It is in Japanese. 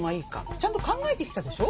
ちゃんと考えてきたでしょ？